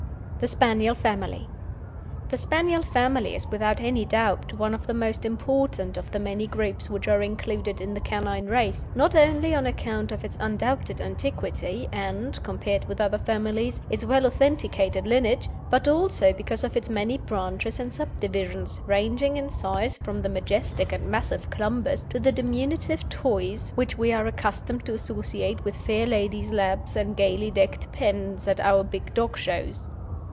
THE SPANIEL FAMILY. The Spaniel family is without any doubt one of the most important of the many groups which are included in the canine race, not only on account of its undoubted antiquity, and, compared with other families, its well authenticated lineage, but also because of its many branches and subdivisions, ranging in size from the majestic and massive Clumbers to the diminutive toys which we are accustomed to associate with fair ladies' laps and gaily decked pens at our big dog shows.